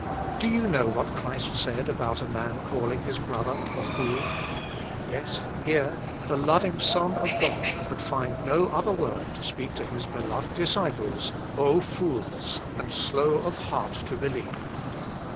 " Do you know what Christ said about a man calling his brother a fool? Yet here the loving Son of God could find no other word to speak to His beloved disciples :<* OhI fools, and slow of heart to believe.